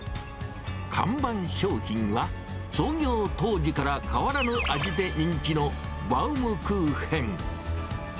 看板商品は、創業当時から変わらぬ味で人気の、バウムクーヘン。